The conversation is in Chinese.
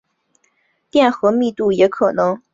电荷密度也可能会跟位置有关。